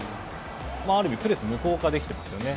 ある意味、プレスを無効化できてますね。